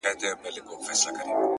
نو ځکه هغه ته پرده وايو ـ